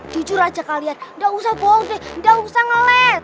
jujur aja kalian gak usah bolek gak usah ngeles